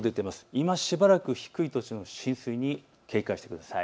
今しばらく、低い土地の浸水に警戒をしてください。